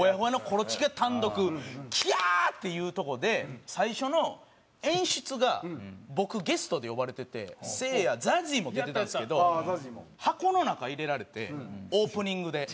キャー！っていうとこで最初の演出が僕ゲストで呼ばれててせいやＺＡＺＹも出てたんですけど箱の中入れられてオープニングで。